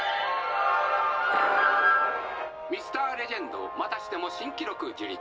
「Ｍｒ．レジェンドまたしても新記録樹立！